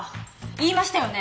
言いましたよね